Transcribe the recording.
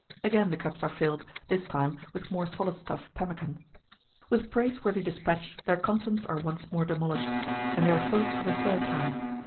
Again the cups are filled, this time with more solid stuff pemmican. With praiseworthy despatch their contents are once more demolished, and they are filled for the third time.